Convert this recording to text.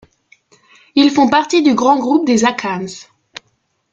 Ils font partie du grand groupe des Akans.